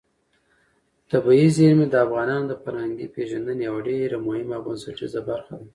طبیعي زیرمې د افغانانو د فرهنګي پیژندنې یوه ډېره مهمه او بنسټیزه برخه ده.